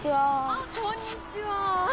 あっこんにちは。